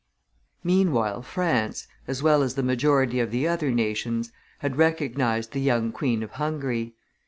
Meanwhile France, as well as the majority of the other nations, had recognized the young Queen of Hungary.